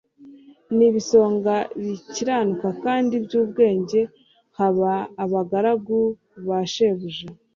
Nk'ibisonga bikiranuka kandi by'ubwenge baha abagaragu ba shebuja